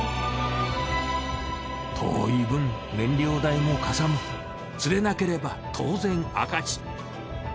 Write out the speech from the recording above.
遠い分燃料代もかさむ釣れなければ当然赤字。